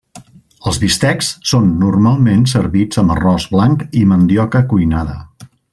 Els bistecs són normalment servits amb arròs blanc i mandioca cuinada.